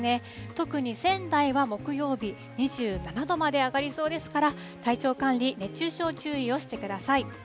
特に仙台は木曜日２７度まで上がりそうですから、体調管理、熱中症注意をしてください。